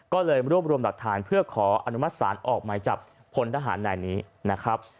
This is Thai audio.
ก็เลยรวบรวมหลักฐานเพื่อขออนุมัติศาลออกหมายจับพลทหารนายนี้นะครับ